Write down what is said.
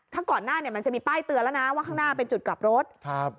ถ้าก่อนหน้าเนี่ยมันจะมีป้ายเตือนแล้วนะว่าข้างหน้าเป็นจุดกลับรถครับ